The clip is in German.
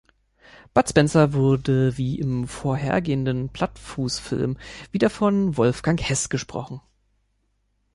Bud Spencer wurde wie im vorhergehenden Plattfuß-Film wieder von Wolfgang Hess gesprochen.